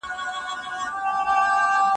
دومره ترې وپوښته چې: